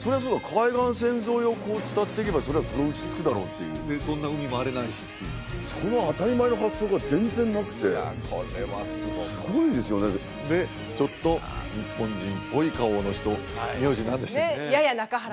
海岸線沿いをこう伝っていけばそりゃたどり着くだろうっていうでそんな海も荒れないしっていうその当たり前の発想が全然なくていやこれはすごいすごいですよねでちょっと日本人っぽい顔の人名字何でした？